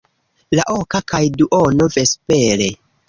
La oka kaj duono vespere.